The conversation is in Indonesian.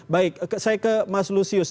baik saya ke mas lusius